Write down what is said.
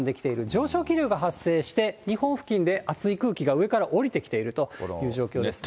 上昇気流が発生して、日本付近であつい空気が上から下りてきているという状況です。